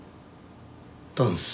ダンス？